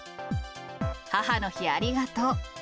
母の日ありがとう。